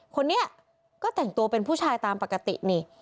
คนนี้ก็แต่งตัวเป็นผู้ชายตามปกตินี่